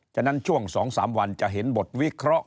ฉะนั้นช่วง๒๓วันจะเห็นบทวิเคราะห